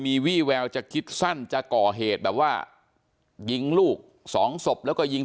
มีวี่แววจะคิดสั้นจะก่อเหตุแบบว่ายิงลูกสองศพแล้วก็ยิง